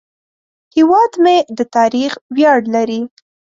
هیواد مې د تاریخ ویاړ لري